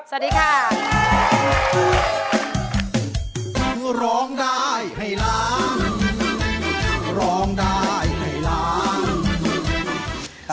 สวัสดีค่ะ